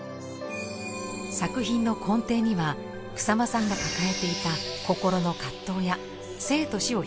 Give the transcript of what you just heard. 作品の根底には草間さんが抱えていた心の葛藤や生と死を表現しているとか。